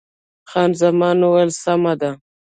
خان زمان وویل، سمه ده.